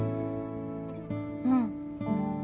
うん。